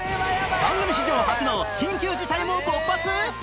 番組史上初の緊急事態も勃発